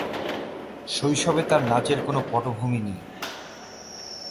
শৈশবে তাঁর নাচের কোন পটভূমি নেই।